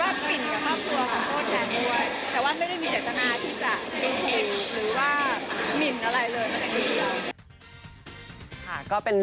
บางคนมองอีกมุมนึง